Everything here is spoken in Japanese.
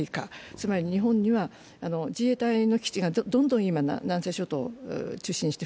つまり日本は、自衛隊の基地がどんどん南西諸島を中心にして